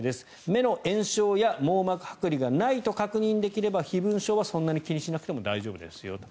目の炎症や網膜はく離がないと確認できれば飛蚊症はそんなに気にしなくても大丈夫ですよと。